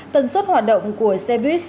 tần suất hoạt động của xe buýt